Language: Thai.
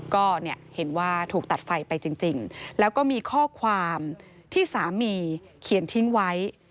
ก็เห็นว่าถูกตัดไฟไปจริงแล้วก็มีข้อความที่สามีเขียนทิ้งไว้